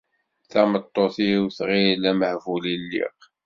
Tameṭṭut-iw tɣil d amehbul i lliɣ.